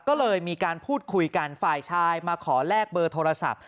ก็เลยมีการพูดคุยกันฝ่ายชายมาขอแลกเบอร์โทรศัพท์